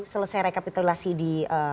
selesai rekapitulasi di